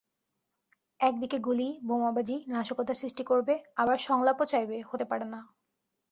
একদিকে গুলি, বোমাবাজি, নাশকতা সৃষ্টি করবে, আবার সংলাপও চাইবে—হতে পারে না।